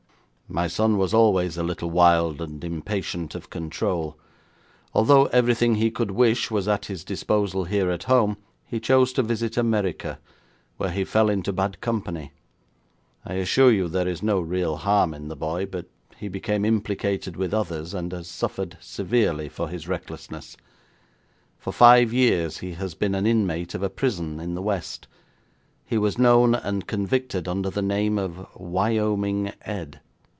'My son was always a little wild and impatient of control. Although everything he could wish was at his disposal here at home, he chose to visit America, where he fell into bad company. I assure you there is no real harm in the boy, but he became implicated with others, and has suffered severely for his recklessness. For five years he has been an inmate of a prison in the West. He was known and convicted under the name of Wyoming Ed.'